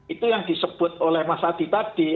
itu yang disebut oleh mas adi tadi